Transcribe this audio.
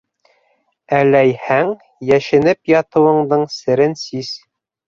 Әләйһәң, йәшенеп ятыуыңдың серен сис!